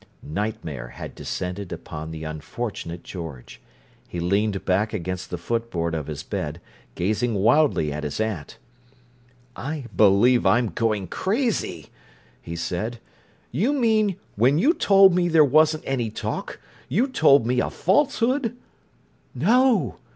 Nightmare had descended upon the unfortunate George; he leaned back against the foot board of his bed, gazing wildly at his aunt. "I believe I'm going crazy," he said. "You mean when you told me there wasn't any talk, you told me a falsehood?" "No!"